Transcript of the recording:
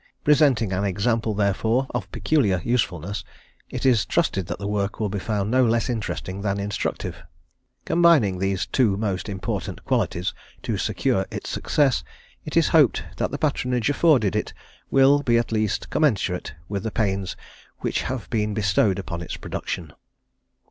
Presenting an example, therefore, of peculiar usefulness, it is trusted that the work will be found no less interesting than instructive. Combining these two most important qualities to secure its success, it is hoped that the patronage afforded it will be at least commensurate with the pains which have been bestowed upon its production.